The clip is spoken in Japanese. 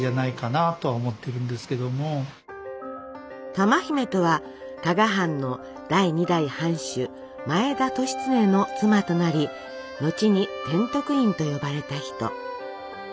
珠姫とは加賀藩の第２代藩主前田利常の妻となり後に天徳院と呼ばれた人。